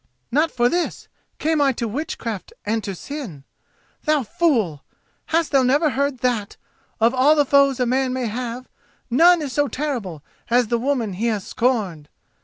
"Not for this came I to witchcraft and to sin. Thou fool! hast thou never heard that, of all the foes a man may have, none is so terrible as the woman he has scorned?